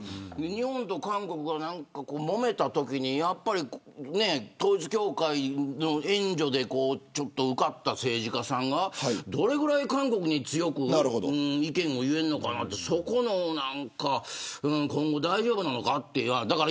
日本と韓国がもめたときにやっぱり統一教会の援助で受かった政治家さんがどれぐらい韓国に強く意見を言えるのかなって、そこの今後、大丈夫なのかって。